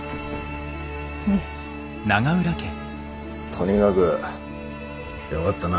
とにかぐよがったな。